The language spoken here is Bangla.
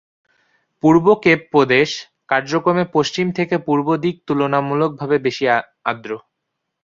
পূর্ব কেপ প্রদেশ কার্যক্রমে পশ্চিম থেকে পূর্ব দিক তুলনামূলকভাবে বেশি আর্দ্র।